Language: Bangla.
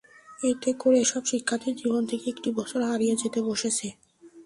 এতে করে এসব শিক্ষার্থীর জীবন থেকে একটি বছর হারিয়ে যেতে বসেছে।